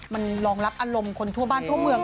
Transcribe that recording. มันรองรับอารมณ์คนทั่วบ้านทั่วเมือง